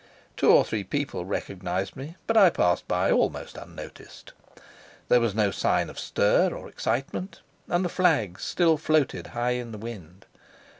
Two or three people recognized me, but I passed by almost unnoticed. There was no sign of stir or excitement, and the flags still floated high in the wind.